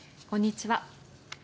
こんにちは。